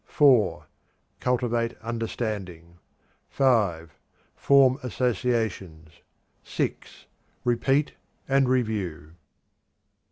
(4) Cultivate understanding. (5) Form associations. (6) Repeat and review.